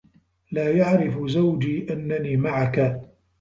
لا يعرف زوجي أنّني معك.